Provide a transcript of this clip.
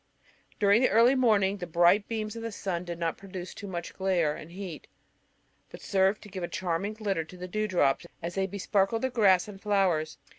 During the early morning the bright beams of the sun did not produce too much glare and heat, but served to give a charming glitter to the dew drops as they besparkled the grass and flowers.